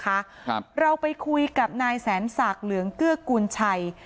ครับเราไปคุยกับนายแสนศักดิ์เหลืองเกื้อกูลชัย